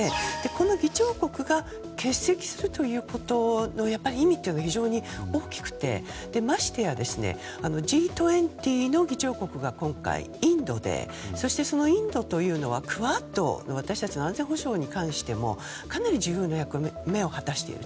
この議長国が欠席するということの意味は非常に大きくて増してやＧ２０の議長国が今回、インドでそのインドというのはクアッド私たちの安全保障についてもかなり重要な役目を果たしている。